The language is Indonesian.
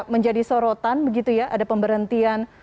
menjadi sorotan begitu ya ada pemberhentian